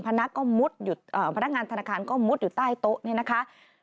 พนักงานธนาคารก็มุดอยู่ใต้โต๊ะนี่นะคะ